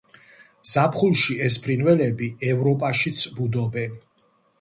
ზაფხულში ეს ფრინველები ევროპაშიც ბუდობენ.